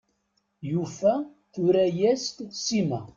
Yufa tura-yas-d Sima.